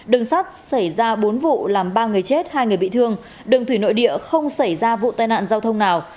đường sắt xảy ra bốn vụ làm ba người chết hai người bị thương đường thủy nội địa không xảy ra vụ tai nạn giao thông nào